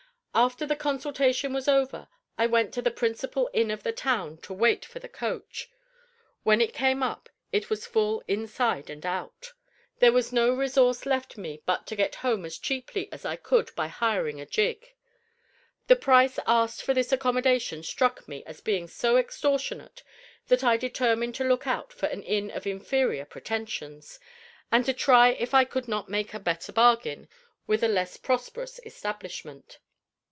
After the consultation was over, I went to the principal inn of the town to wait for the coach. When it came up it was full inside and out. There was no resource left me but to get home as cheaply as I could by hiring a gig. The price asked for this accommodation struck me as being so extortionate, that I determined to look out for an inn of inferior pretensions, and to try if I could not make a better bargain with a less prosperous establishment.